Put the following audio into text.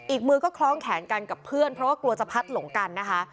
อีกมือก็คล้องแขนกันกับเพื่อนเพราะว่ากลัวจะพัดหลงกันนะคะ